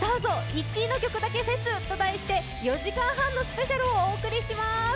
１位の曲だけフェス」と題して４時間半のスペシャルをお送りします